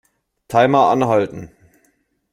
Timer anhalten.